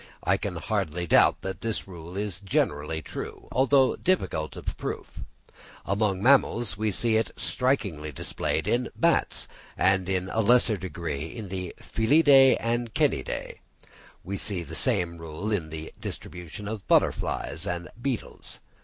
I can hardly doubt that this rule is generally true, though difficult of proof. Among mammals, we see it strikingly displayed in Bats, and in a lesser degree in the Felidæ and Canidæ. We see the same rule in the distribution of butterflies and beetles.